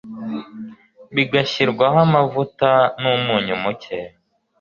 bigashyirwamo amavuta numunyu muke